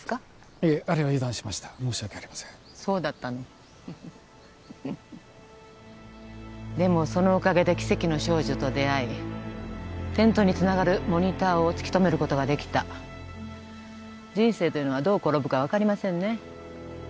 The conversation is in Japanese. いえあれは油断しました申し訳ありませんそうだったのフフでもそのおかげで奇跡の少女と出会いテントにつながるモニターを突き止めることができた人生というのはどう転ぶか分かりませんね